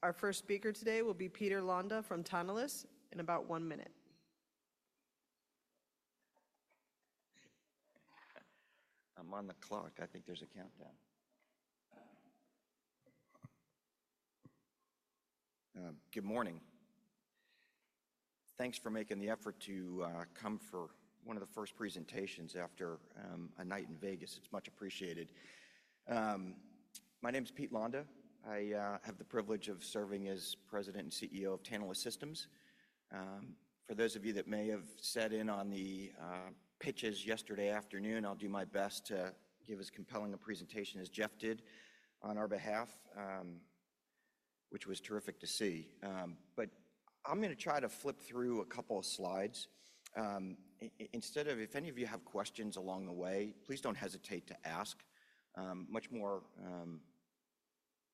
Our first speaker today will be Peter Londa from Tantalus in about one minute. I'm on the clock. I think there's a countdown. Good morning. Thanks for making the effort to come for one of the first presentations after a night in Vegas. It's much appreciated. My name is Peter Londa. I have the privilege of serving as President and CEO of Tantalus Systems. For those of you that may have sat in on the pitches yesterday afternoon, I'll do my best to give as compelling a presentation as Jeff did on our behalf, which was terrific to see. I'm going to try to flip through a couple of slides. If any of you have questions along the way, please don't hesitate to ask. Much more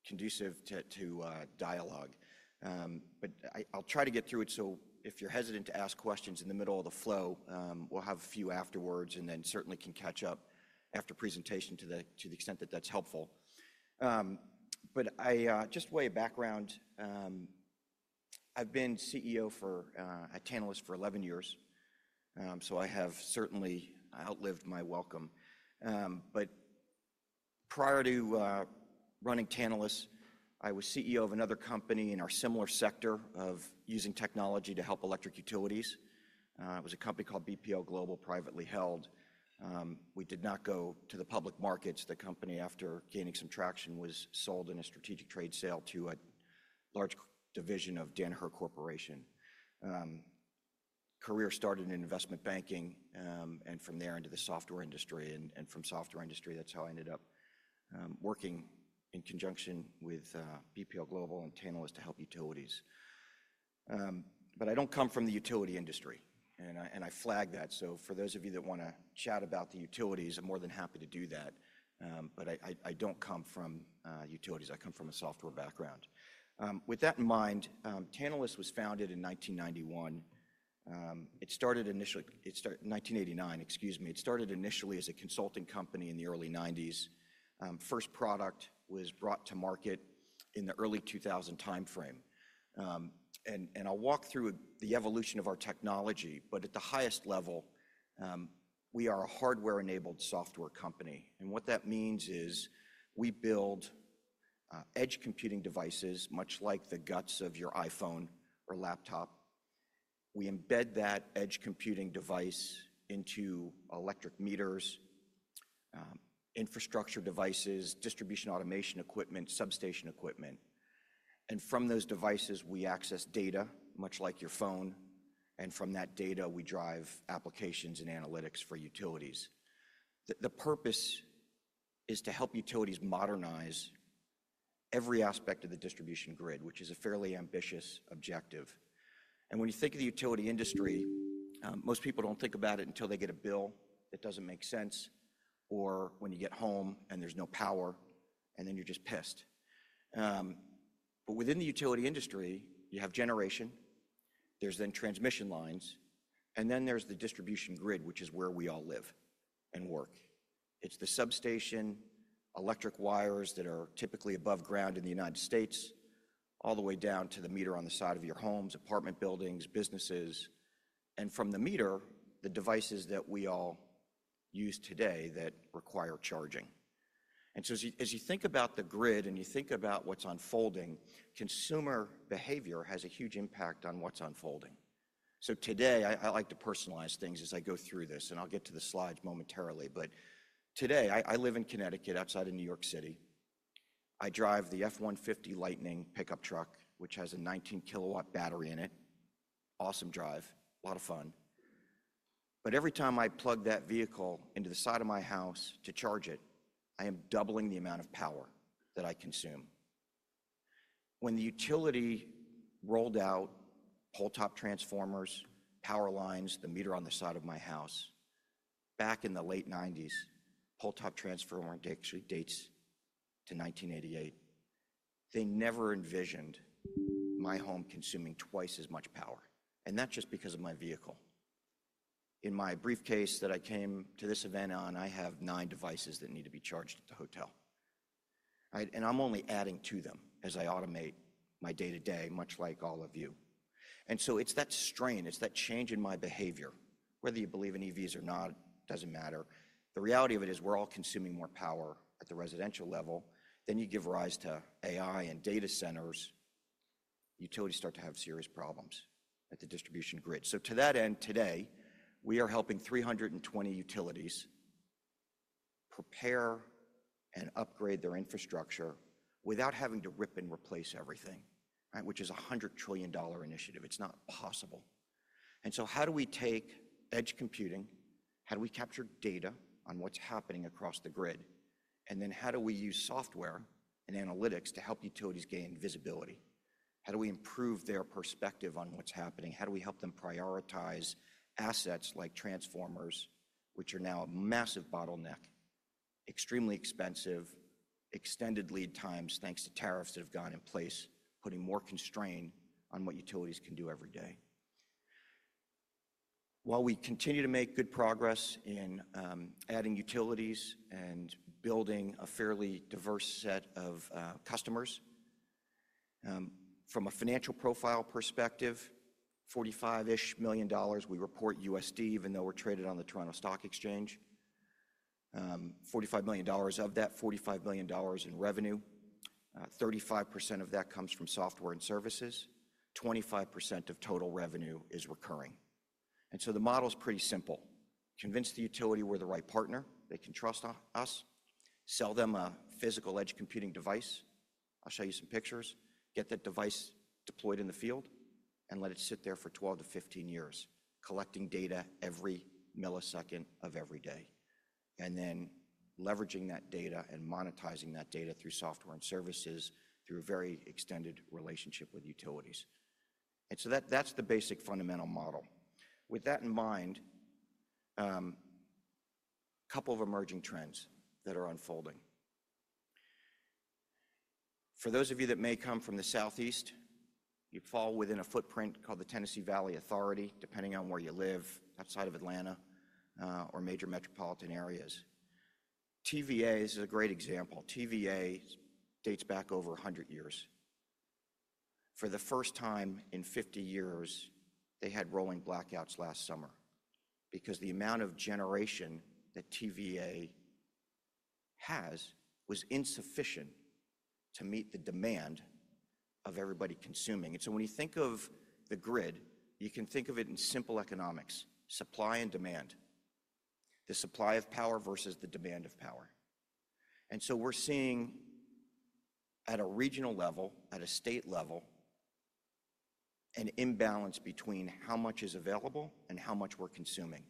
conducive to dialogue. I'll try to get through it. If you're hesitant to ask questions in the middle of the flow, we'll have a few afterwards and then certainly can catch up after presentation to the extent that that's helpful. Just way of background, I've been CEO at Tantalus for 11 years. I have certainly outlived my welcome. Prior to running Tantalus, I was CEO of another company in our similar sector of using technology to help electric utilities. It was a company called BPO Global, privately held. We did not go to the public markets. The company, after gaining some traction, was sold in a strategic trade sale to a large division of Danaher Corporation. Career started in investment banking and from there into the software industry. From software industry, that's how I ended up working in conjunction with BPO Global and Tantalus to help utilities. I don't come from the utility industry, and I flag that. For those of you that want to chat about the utilities, I'm more than happy to do that. I don't come from utilities. I come from a software background. With that in mind, Tantalus was founded in 1991. It started initially in 1989. Excuse me. It started initially as a consulting company in the early 1990s. First product was brought to market in the early 2000 timeframe. I'll walk through the evolution of our technology. At the highest level, we are a hardware-enabled software company. What that means is we build edge computing devices much like the guts of your iPhone or laptop. We embed that edge computing device into electric meters, infrastructure devices, distribution automation equipment, substation equipment. From those devices, we access data much like your phone. From that data, we drive applications and analytics for utilities. The purpose is to help utilities modernize every aspect of the distribution grid, which is a fairly ambitious objective. When you think of the utility industry, most people don't think about it until they get a bill that doesn't make sense, or when you get home and there's no power, and then you're just pissed. Within the utility industry, you have generation. There's then transmission lines. There is the distribution grid, which is where we all live and work. It's the substation, electric wires that are typically above ground in the United States, all the way down to the meter on the side of your homes, apartment buildings, businesses. From the meter, the devices that we all use today that require charging. As you think about the grid and you think about what's unfolding, consumer behavior has a huge impact on what's unfolding. Today, I like to personalize things as I go through this. I'll get to the slides momentarily. Today, I live in Connecticut outside of New York City. I drive the F-150 Lightning pickup truck, which has a 19 kWh battery in it. Awesome drive. A lot of fun. Every time I plug that vehicle into the side of my house to charge it, I am doubling the amount of power that I consume. When the utility rolled out pole top transformers, power lines, the meter on the side of my house, back in the late 1990s—pole top transformer actually dates to 1988—they never envisioned my home consuming twice as much power. Not just because of my vehicle. In my briefcase that I came to this event on, I have nine devices that need to be charged at the hotel. I am only adding to them as I automate my day-to-day, much like all of you. It is that strain. It is that change in my behavior. Whether you believe in EVs or not, it does not matter. The reality of it is we are all consuming more power at the residential level. You give rise to AI and data centers. Utilities start to have serious problems at the distribution grid. To that end, today, we are helping 320 utilities prepare and upgrade their infrastructure without having to rip and replace everything, which is a $100 trillion initiative. It is not possible. How do we take edge computing? How do we capture data on what is happening across the grid? How do we use software and analytics to help utilities gain visibility? How do we improve their perspective on what's happening? How do we help them prioritize assets like transformers, which are now a massive bottleneck, extremely expensive, extended lead times thanks to tariffs that have gone in place, putting more constraint on what utilities can do every day? While we continue to make good progress in adding utilities and building a fairly diverse set of customers, from a financial profile perspective, $45 million-ish, we report USD, even though we're traded on the Toronto Stock Exchange. $45 million of that, $45 million in revenue. 35% of that comes from software and services. 25% of total revenue is recurring. The model is pretty simple. Convince the utility we're the right partner. They can trust us. Sell them a physical edge computing device. I'll show you some pictures. Get that device deployed in the field and let it sit there for 12 to 15 years, collecting data every millisecond of every day, and then leveraging that data and monetizing that data through software and services through a very extended relationship with utilities. That is the basic fundamental model. With that in mind, a couple of emerging trends that are unfolding. For those of you that may come from the Southeast, you fall within a footprint called the Tennessee Valley Authority, depending on where you live, outside of Atlanta or major metropolitan areas. TVA is a great example. TVA dates back over 100 years. For the first time in 50 years, they had rolling blackouts last summer because the amount of generation that TVA has was insufficient to meet the demand of everybody consuming. When you think of the grid, you can think of it in simple economics, supply and demand, the supply of power versus the demand of power. We're seeing at a regional level, at a state level, an imbalance between how much is available and how much we're consuming.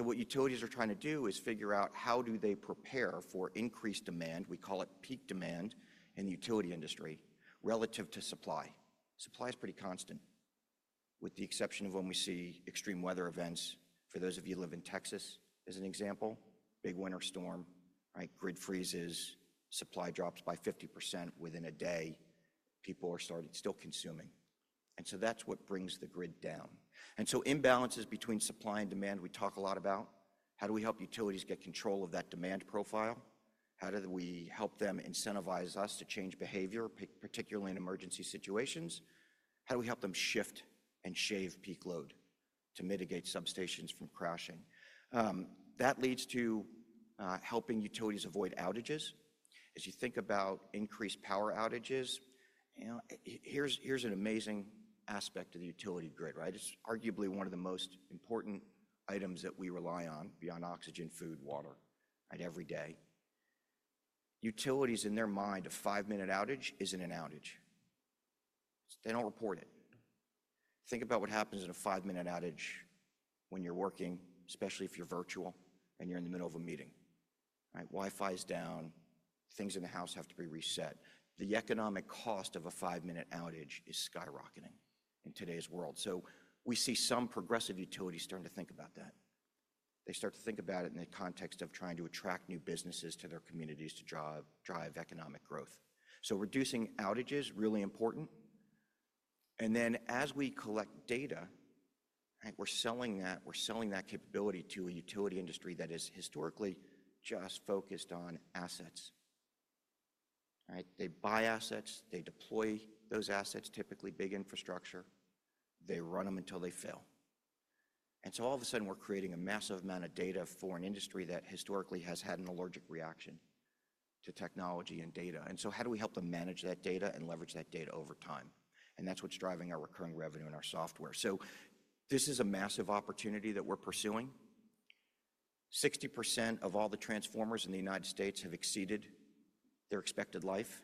What utilities are trying to do is figure out how do they prepare for increased demand. We call it peak demand in the utility industry relative to supply. Supply is pretty constant, with the exception of when we see extreme weather events. For those of you who live in Texas, as an example, big winter storm, grid freezes, supply drops by 50% within a day. People are still consuming. That's what brings the grid down. Imbalances between supply and demand, we talk a lot about. How do we help utilities get control of that demand profile? How do we help them incentivize us to change behavior, particularly in emergency situations? How do we help them shift and shave peak load to mitigate substations from crashing? That leads to helping utilities avoid outages. As you think about increased power outages, here is an amazing aspect of the utility grid. It is arguably one of the most important items that we rely on beyond oxygen, food, water every day. Utilities, in their mind, a five-minute outage is not an outage. They do not report it. Think about what happens in a five-minute outage when you are working, especially if you are virtual and you are in the middle of a meeting. Wi-Fi is down. Things in the house have to be reset. The economic cost of a five-minute outage is skyrocketing in today's world. We see some progressive utilities starting to think about that. They start to think about it in the context of trying to attract new businesses to their communities to drive economic growth. Reducing outages is really important. As we collect data, we're selling that capability to a utility industry that is historically just focused on assets. They buy assets. They deploy those assets, typically big infrastructure. They run them until they fail. All of a sudden, we're creating a massive amount of data for an industry that historically has had an allergic reaction to technology and data. How do we help them manage that data and leverage that data over time? That's what's driving our recurring revenue and our software. This is a massive opportunity that we're pursuing. 60% of all the transformers in the United States have exceeded their expected life.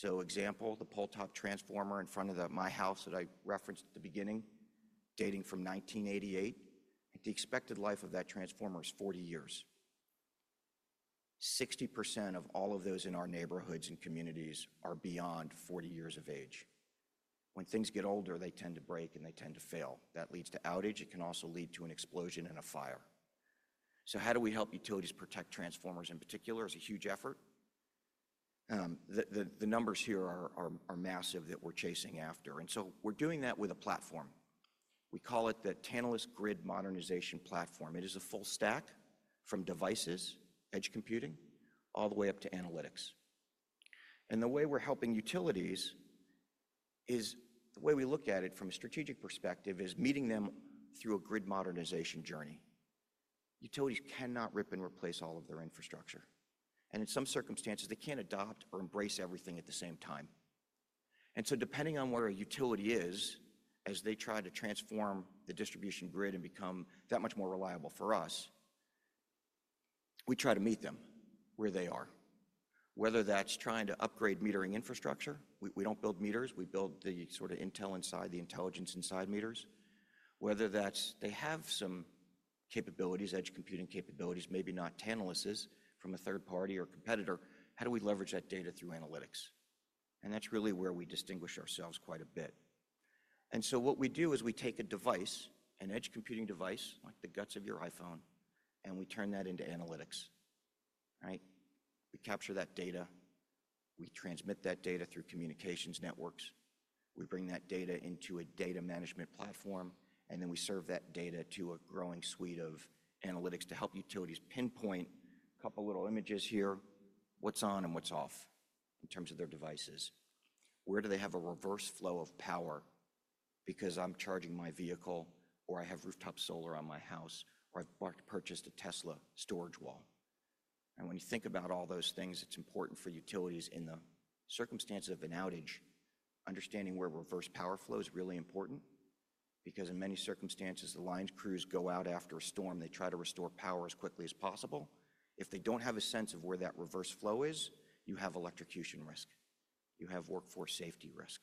For example, the pole-top transformer in front of my house that I referenced at the beginning, dating from 1988. The expected life of that transformer is 40 years. 60% of all of those in our neighborhoods and communities are beyond 40 years of age. When things get older, they tend to break and they tend to fail. That leads to outage. It can also lead to an explosion and a fire. How do we help utilities protect transformers in particular? It is a huge effort. The numbers here are massive that we are chasing after. We are doing that with a platform. We call it the Tantalus Grid Modernization Platform. It is a full stack from devices, edge computing, all the way up to analytics. The way we're helping utilities is the way we look at it from a strategic perspective is meeting them through a grid modernization journey. Utilities cannot rip and replace all of their infrastructure. In some circumstances, they can't adopt or embrace everything at the same time. Depending on where a utility is, as they try to transform the distribution grid and become that much more reliable for us, we try to meet them where they are. Whether that's trying to upgrade metering infrastructure, we don't build meters. We build the sort of intel inside, the intelligence inside meters. Whether they have some capabilities, edge computing capabilities, maybe not Tantalus's from a third party or competitor, how do we leverage that data through analytics? That's really where we distinguish ourselves quite a bit. What we do is we take a device, an edge computing device, like the guts of your iPhone, and we turn that into analytics. We capture that data. We transmit that data through communications networks. We bring that data into a data management platform, and then we serve that data to a growing suite of analytics to help utilities pinpoint a couple of little images here, what's on and what's off in terms of their devices. Where do they have a reverse flow of power? Because I'm charging my vehicle, or I have rooftop solar on my house, or I've purchased a Tesla storage wall. When you think about all those things, it's important for utilities in the circumstances of an outage, understanding where reverse power flow is really important because in many circumstances, the line crews go out after a storm. They try to restore power as quickly as possible. If they do not have a sense of where that reverse flow is, you have electrocution risk. You have workforce safety risk.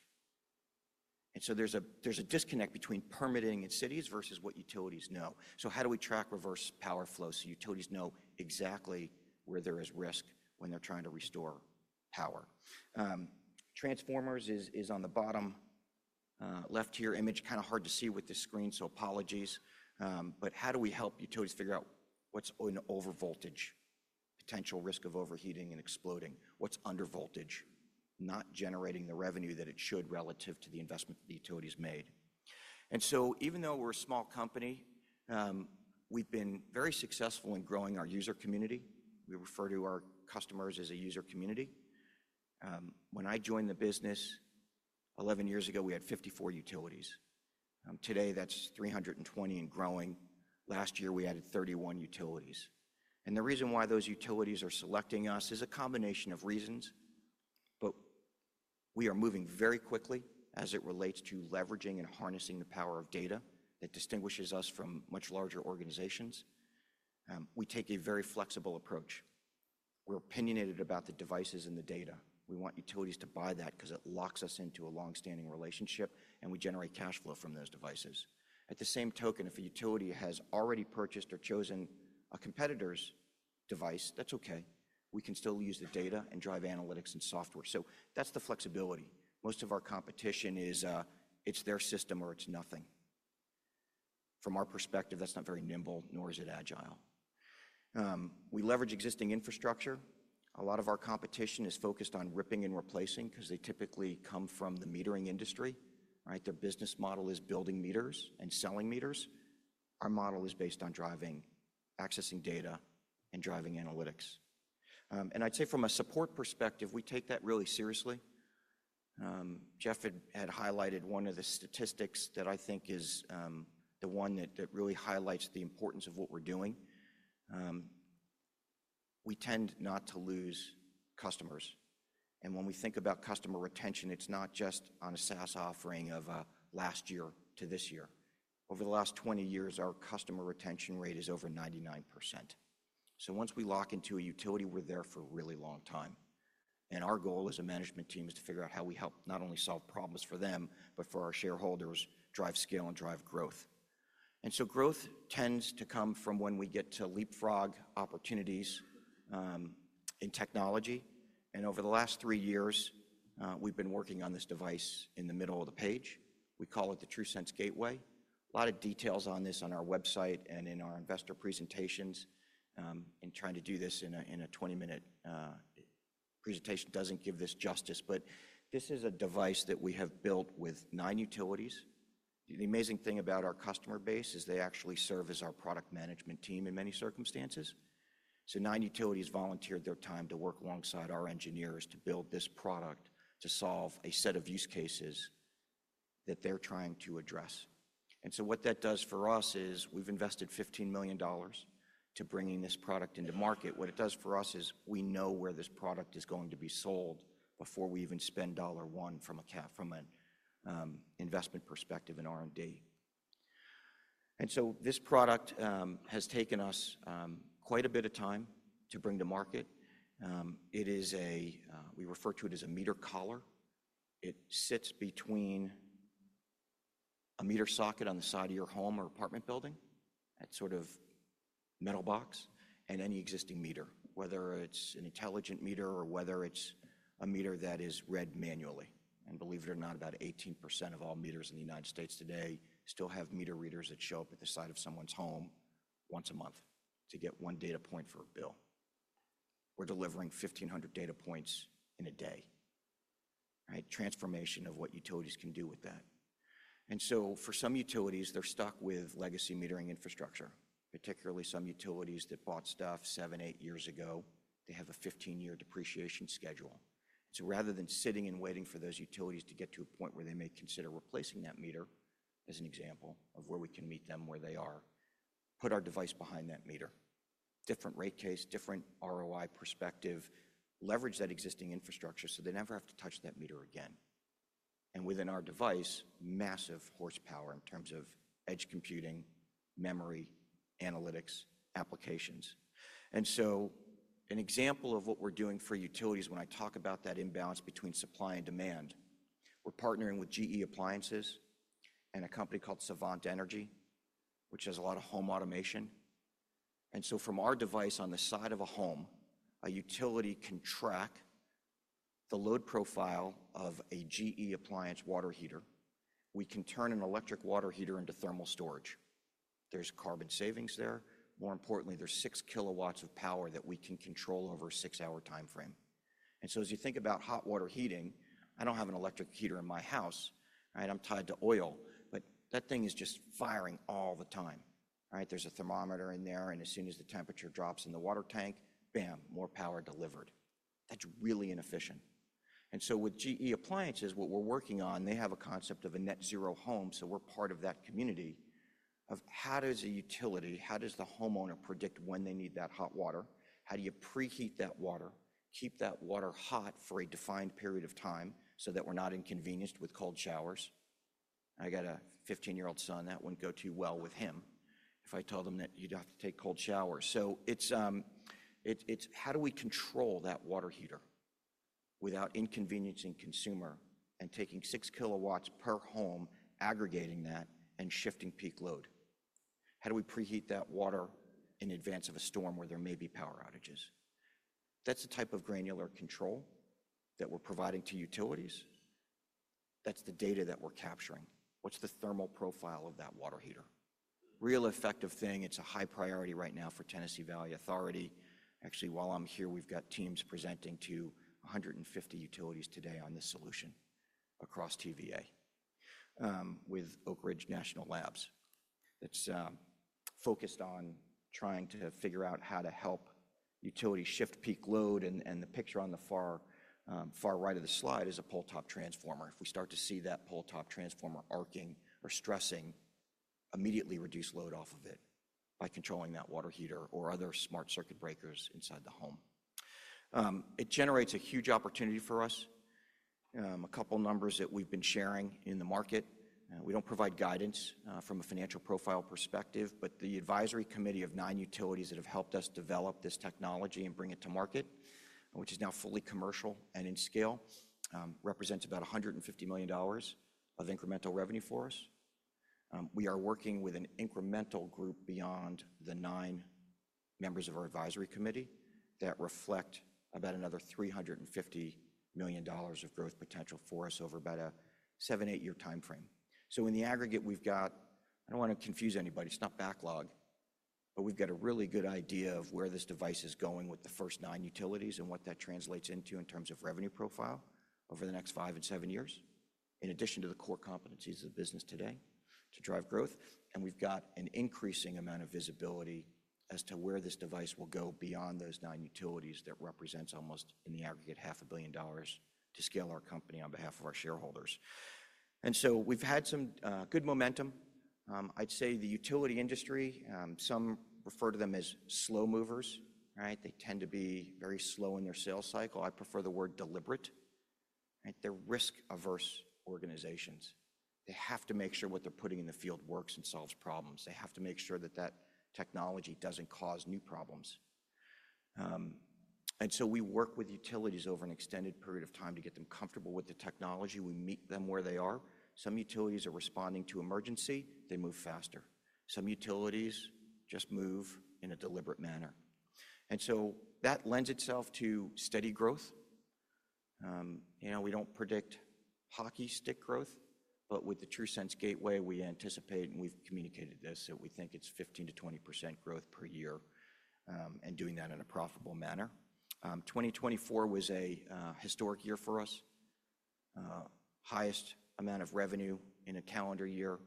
There is a disconnect between permitting in cities versus what utilities know. How do we track reverse power flow so utilities know exactly where there is risk when they are trying to restore power? Transformers is on the bottom left here image. Kind of hard to see with this screen, so apologies. How do we help utilities figure out what is in overvoltage, potential risk of overheating and exploding? What is undervoltage, not generating the revenue that it should relative to the investment that the utilities made? Even though we are a small company, we have been very successful in growing our user community. We refer to our customers as a user community. When I joined the business 11 years ago, we had 54 utilities. Today, that's 320 and growing. Last year, we added 31 utilities. The reason why those utilities are selecting us is a combination of reasons. We are moving very quickly as it relates to leveraging and harnessing the power of data that distinguishes us from much larger organizations. We take a very flexible approach. We're opinionated about the devices and the data. We want utilities to buy that because it locks us into a long-standing relationship, and we generate cash flow from those devices. At the same token, if a utility has already purchased or chosen a competitor's device, that's okay. We can still use the data and drive analytics and software. That's the flexibility. Most of our competition is it's their system or it's nothing. From our perspective, that's not very nimble, nor is it agile. We leverage existing infrastructure. A lot of our competition is focused on ripping and replacing because they typically come from the metering industry. Their business model is building meters and selling meters. Our model is based on driving, accessing data, and driving analytics. I'd say from a support perspective, we take that really seriously. Jeff had highlighted one of the statistics that I think is the one that really highlights the importance of what we're doing. We tend not to lose customers. When we think about customer retention, it's not just on a SaaS offering of last year to this year. Over the last 20 years, our customer retention rate is over 99%. Once we lock into a utility, we're there for a really long time. Our goal as a management team is to figure out how we help not only solve problems for them, but for our shareholders, drive scale and drive growth. Growth tends to come from when we get to leapfrog opportunities in technology. Over the last three years, we've been working on this device in the middle of the page. We call it the TruSense Gateway. A lot of details on this on our website and in our investor presentations. Trying to do this in a 20-minute presentation doesn't give this justice. This is a device that we have built with nine utilities. The amazing thing about our customer base is they actually serve as our product management team in many circumstances. Nine utilities volunteered their time to work alongside our engineers to build this product to solve a set of use cases that they're trying to address. What that does for us is we've invested $15 million to bring this product into market. What it does for us is we know where this product is going to be sold before we even spend dollar one from an investment perspective in R&D. This product has taken us quite a bit of time to bring to market. We refer to it as a meter collar. It sits between a meter socket on the side of your home or apartment building, that sort of metal box, and any existing meter, whether it's an intelligent meter or whether it's a meter that is read manually. Believe it or not, about 18% of all meters in the United States today still have meter readers that show up at the side of someone's home once a month to get one data point for a bill. We're delivering 1,500 data points in a day. Transformation of what utilities can do with that. For some utilities, they're stuck with legacy metering infrastructure, particularly some utilities that bought stuff seven, eight years ago. They have a 15-year depreciation schedule. Rather than sitting and waiting for those utilities to get to a point where they may consider replacing that meter, as an example of where we can meet them where they are, put our device behind that meter. Different rate case, different ROI perspective, leverage that existing infrastructure so they never have to touch that meter again. Within our device, massive horsepower in terms of edge computing, memory, analytics, applications. An example of what we're doing for utilities when I talk about that imbalance between supply and demand, we're partnering with GE Appliances and a company called Savant Energy, which has a lot of home automation. From our device on the side of a home, a utility can track the load profile of a GE Appliances water heater. We can turn an electric water heater into thermal storage. There's carbon savings there. More importantly, there's 6 kilowatts of power that we can control over a 6-hour time frame. As you think about hot water heating, I don't have an electric heater in my house. I'm tied to oil, but that thing is just firing all the time. There's a thermometer in there, and as soon as the temperature drops in the water tank, bam, more power delivered. That's really inefficient. With GE Appliances, what we're working on, they have a concept of a net zero home, so we're part of that community of how does a utility, how does the homeowner predict when they need that hot water? How do you preheat that water, keep that water hot for a defined period of time so that we're not inconvenienced with cold showers? I got a 15-year-old son. That wouldn't go too well with him if I told him that you'd have to take cold showers. It's how do we control that water heater without inconveniencing consumer and taking 6 kilowatts per home, aggregating that and shifting peak load? How do we preheat that water in advance of a storm where there may be power outages? That's the type of granular control that we're providing to utilities. That's the data that we're capturing. What's the thermal profile of that water heater? Real effective thing. It's a high priority right now for Tennessee Valley Authority. Actually, while I'm here, we've got teams presenting to 150 utilities today on this solution across TVA with Oak Ridge National Labs. It's focused on trying to figure out how to help utilities shift peak load. The picture on the far right of the slide is a pole-top transformer. If we start to see that pole-top transformer arcing or stressing, immediately reduce load off of it by controlling that water heater or other smart circuit breakers inside the home. It generates a huge opportunity for us. A couple of numbers that we've been sharing in the market. We don't provide guidance from a financial profile perspective, but the advisory committee of nine utilities that have helped us develop this technology and bring it to market, which is now fully commercial and in scale, represents about $150 million of incremental revenue for us. We are working with an incremental group beyond the nine members of our advisory committee that reflect about another $350 million of growth potential for us over about a seven, eight-year time frame. In the aggregate, we've got I don't want to confuse anybody. It's not backlog, but we've got a really good idea of where this device is going with the first nine utilities and what that translates into in terms of revenue profile over the next five and seven years, in addition to the core competencies of the business today to drive growth. We've got an increasing amount of visibility as to where this device will go beyond those nine utilities that represents almost in the aggregate $500,000,000 to scale our company on behalf of our shareholders. We've had some good momentum. I'd say the utility industry, some refer to them as slow movers. They tend to be very slow in their sales cycle. I prefer the word deliberate. They're risk-averse organizations. They have to make sure what they're putting in the field works and solves problems. They have to make sure that that technology doesn't cause new problems. We work with utilities over an extended period of time to get them comfortable with the technology. We meet them where they are. Some utilities are responding to emergency. They move faster. Some utilities just move in a deliberate manner. That lends itself to steady growth. We don't predict hockey stick growth, but with the TruSense Gateway, we anticipate, and we've communicated this, that we think it's 15%-20% growth per year and doing that in a profitable manner. 2024 was a historic year for us. Highest amount of revenue in a calendar year.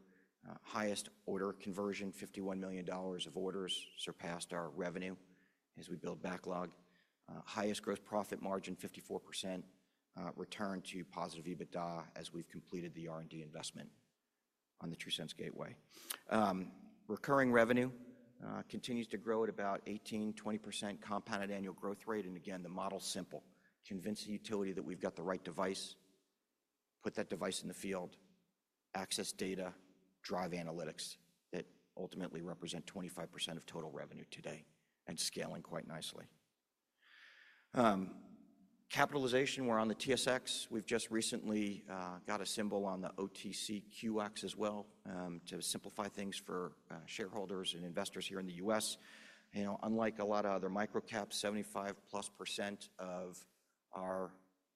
Highest order conversion, $51 million of orders surpassed our revenue as we build backlog. Highest gross profit margin, 54% return to positive EBITDA as we've completed the R&D investment on the TruSense Gateway. Recurring revenue continues to grow at about 18-20% compounded annual growth rate. The model is simple. Convince the utility that we've got the right device, put that device in the field, access data, drive analytics that ultimately represent 25% of total revenue today and scaling quite nicely. Capitalization, we're on the TSX. We've just recently got a symbol on the OTCQX as well to simplify things for shareholders and investors here in the US. Unlike a lot of other micro caps, 75+% of our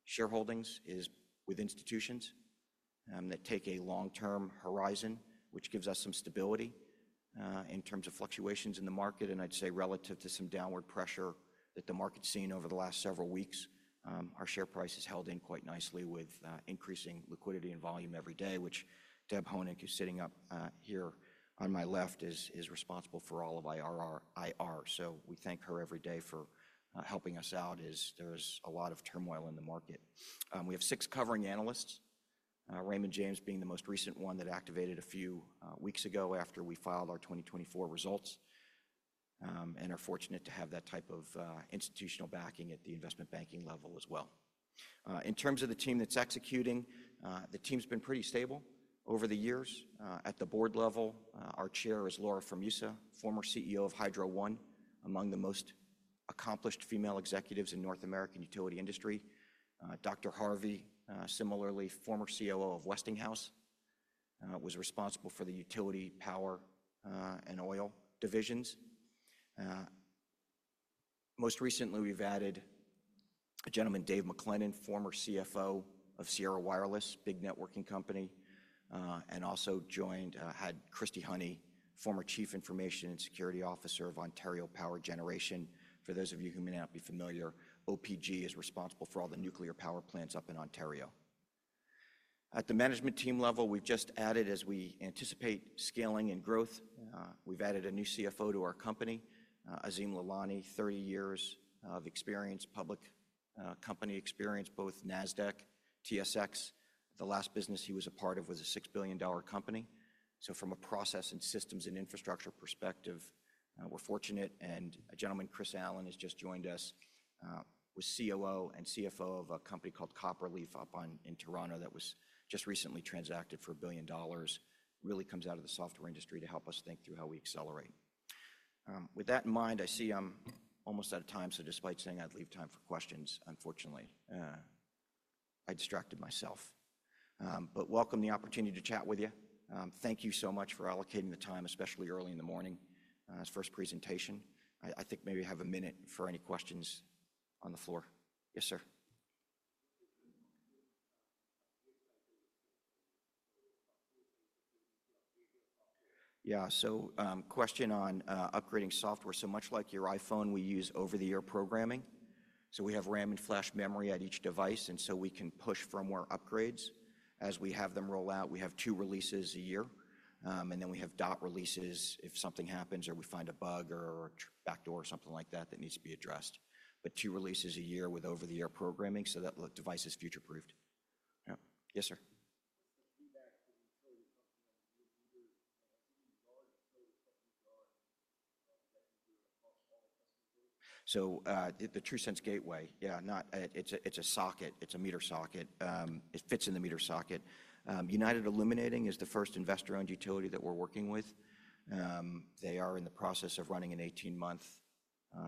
shareholdings is with institutions that take a long-term horizon, which gives us some stability in terms of fluctuations in the market. I'd say relative to some downward pressure that the market's seen over the last several weeks, our share price has held in quite nicely with increasing liquidity and volume every day, which Deb Honig, who's sitting up here on my left, is responsible for all of IRR. We thank her every day for helping us out as there is a lot of turmoil in the market. We have six covering analysts, Raymond James being the most recent one that activated a few weeks ago after we filed our 2024 results. We're fortunate to have that type of institutional backing at the investment banking level as well. In terms of the team that's executing, the team's been pretty stable over the years. At the board level, our chair is Laura Formusa, former CEO of Hydro One, among the most accomplished female executives in North American utility industry. Dr. Harvey, similarly, former COO of Westinghouse, was responsible for the utility power and oil divisions. Most recently, we've added a gentleman, Dave McLennan, former CFO of Sierra Wireless, big networking company, and also joined had Christy Honey, former Chief Information and Security Officer of Ontario Power Generation. For those of you who may not be familiar, OPG is responsible for all the nuclear power plants up in Ontario. At the management team level, we've just added, as we anticipate scaling and growth, we've added a new CFO to our company, Azim Lalani, 30 years of public company experience, both Nasdaq, TSX. The last business he was a part of was a $6 billion company. From a process and systems and infrastructure perspective, we're fortunate. A gentleman, Chris Allen, has just joined us, was COO and CFO of a company called Copper Leaf up in Toronto that was just recently transacted for a billion dollars. Really comes out of the software industry to help us think through how we accelerate. With that in mind, I see I'm almost out of time. Despite saying I'd leave time for questions, unfortunately, I distracted myself. I welcome the opportunity to chat with you. Thank you so much for allocating the time, especially early in the morning as first presentation. I think maybe I have a minute for any questions on the floor. Yes, sir. Yeah. Question on upgrading software. Much like your iPhone, we use over-the-air programming. We have RAM and flash memory at each device, and we can push firmware upgrades as we have them roll out. We have two releases a year, and then we have dot releases if something happens or we find a bug or backdoor or something like that that needs to be addressed. Two releases a year with over-the-air programming so that device is future-proofed. Yes, sir. What's the feedback to the utility company that you're using? What are the utility companies that you do across all the customers? The TruSense Gateway, yeah, it's a socket. It's a meter socket. It fits in the meter socket. United Illuminating is the first investor-owned utility that we're working with. They are in the process of running an 18-month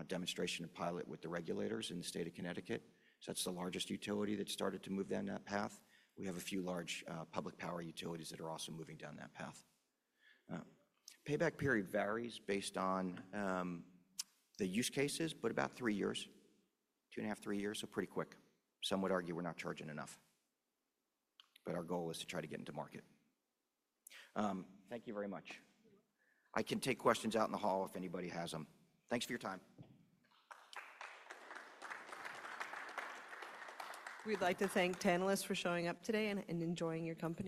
demonstration and pilot with the regulators in the state of Connecticut. That's the largest utility that started to move down that path. We have a few large public power utilities that are also moving down that path. Payback period varies based on the use cases, but about three years, two and a half, three years, so pretty quick. Some would argue we're not charging enough, but our goal is to try to get into market. Thank you very much. I can take questions out in the hall if anybody has them. Thanks for your time. We'd like to thank panelists for showing up today and enjoying your company.